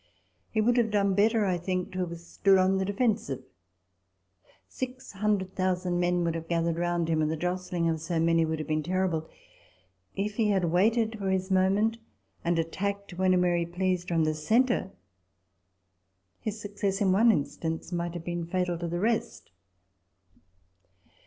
[He would have done better, I think, to have stood on the defensive. Six hundred thousand men would have gathered round him, and the jostling of so many would have been terrible. If he had waited for his moment and attacked when and where * July 1807. 242 RECOLLECTIONS OF THE he pleased from the centre, his success in one instance might have been fatal to the rest.